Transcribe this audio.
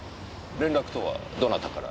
連絡とはどなたから？